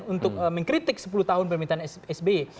untuk mengkritik sepuluh tahun pemerintahan sby